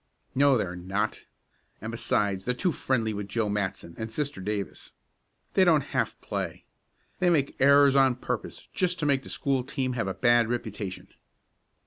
"No, they're not, and besides they're too friendly with Joe Matson and Sister Davis. They don't half play. They make errors on purpose, just to make the school team have a bad reputation."